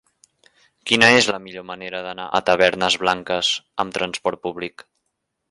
Quina és la millor manera d'anar a Tavernes Blanques amb transport públic?